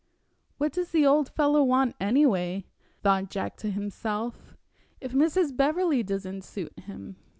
"What does the old fellow want, anyway?" thought Jack to himself, "if Mrs. Beverley doesn't suit him?"